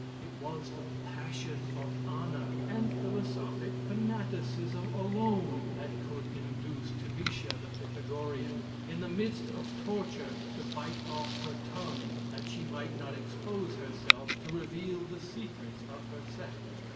It was the passion of honor and philosophic fanaticism alone that could induce Timicha, the Pythagorean, in the midst of torture, to bite off her tongue, that she might not expose herself to reveal the secrets of her sect.